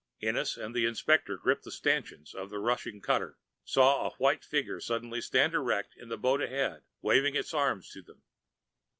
Ennis and the inspector, gripping the stanchions of the rushing cutter, saw a white figure suddenly stand erect in the boat ahead and wave its arms to them.